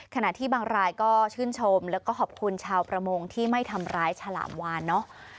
ขณะที่บางรายก็ชื่นชมแล้วก็ขอบคุณชาวประมงที่ไม่ทำร้ายฉลามวานเนอะ